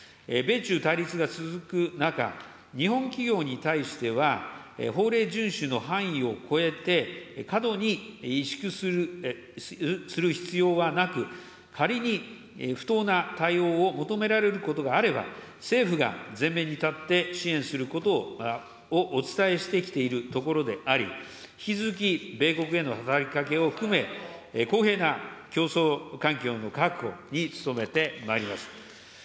米中対立が続く中、日本企業に対しては、法令順守の範囲を超えて、過度に萎縮する必要はなく、仮に不当な対応を求められることがあれば、政府が前面に立って支援することをお伝えしてきているところであり、引き続き米国への働きかけを含め、公平な競争環境の確保に努めてまいります。